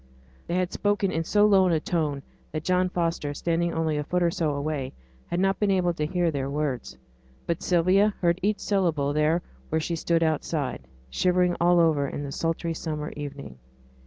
They had spoken in so low a tone that John Foster, standing only a foot or so away, had not been able to hear their words. But Sylvia heard each syllable there where she stood outside, shivering all over in the sultry summer evening.